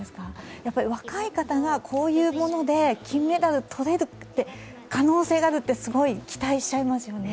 やっぱり若い方がこういうもので金メダル取れる可能性があるって、すごい期待しちゃいますよね。